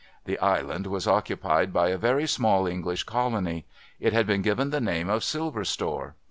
The Island was occupied by a very small English colony. It had been given the name of Silver Store.